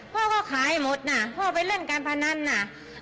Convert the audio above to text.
พ่อก็ขายหมดน่ะพ่อไปเล่นการพนันน่ะ